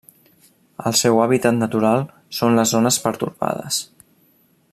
El seu hàbitat natural són les zones pertorbades.